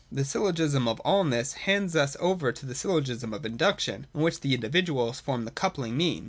The syllogism of Allness hands us over to the syllogism of Induction, in which the individuals form the coupling mean.